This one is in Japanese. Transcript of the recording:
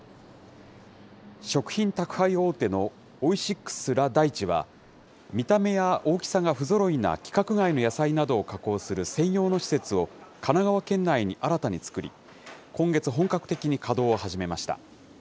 食品宅配大手のオイシックス・ラ・大地は、見た目や大きさが不ぞろいな規格外の野菜などを加工する専用の施設を、神奈川県内に新たに作り、今月、本格的に稼働を始めました。